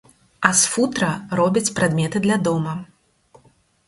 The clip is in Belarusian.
А з футра робяць прадметы для дома.